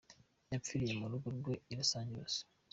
Yapfiriye mu rugo rwe i Los Angeles.